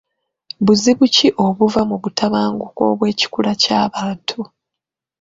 Buzibu ki obuva mu butabanguko obw'ekikula ky'abantu?